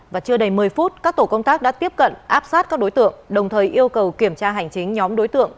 và chưa đầy một mươi phút các tổ công tác đã tiếp cận áp sát các đối tượng đồng thời yêu cầu kiểm tra hành chính nhóm đối tượng